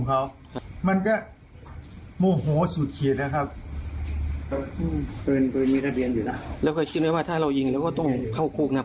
เพราะว่าลูกปืนอยู่ในรังเฟืองก็๖นัด